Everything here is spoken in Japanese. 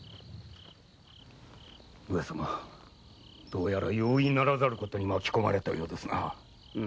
どうやら容易ならざる事に巻き込まれたようですな。